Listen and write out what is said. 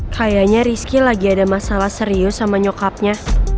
kayaknya rizky lagi ada masalah serius sama nyokapnya